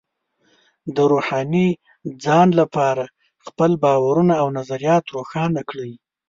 د روحاني ځان لپاره خپل باورونه او نظریات روښانه کړئ.